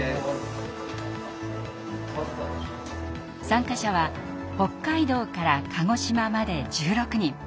参加者は北海道から鹿児島まで１６人。